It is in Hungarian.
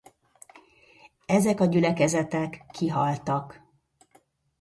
Ezek a gyülekezetek kihaltak.